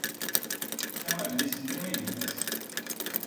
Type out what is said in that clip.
Tefka adlis-nni i gma-s.